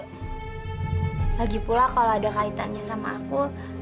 lagipula kalau ada kaitannya sama aku